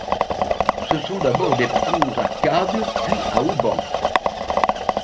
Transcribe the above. Ce sont d'abord des ponts à câbles, puis à haubans.